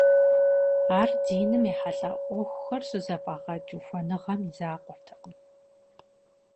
Ар диным ехьэлӀа Ӏуэхухэр щызэфӀагъэкӀ ухуэныгъэм и закъуэтэкъым.